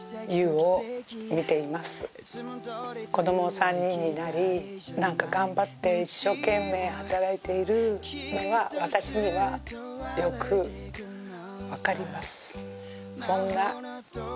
最後になんか頑張って一生懸命働いているのが私にはよくわかります。